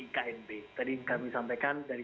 iknb tadi kami sampaikan dari